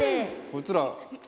こいつら。